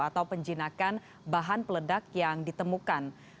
atau penjinakan bahan peledak yang ditemukan